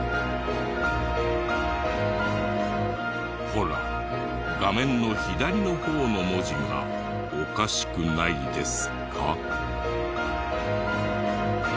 ほら画面の左の方の文字がおかしくないですか？